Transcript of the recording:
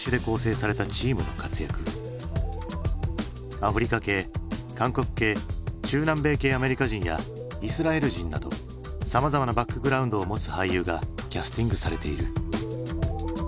アフリカ系韓国系中南米系アメリカ人やイスラエル人などさまざまなバックグラウンドを持つ俳優がキャスティングされている。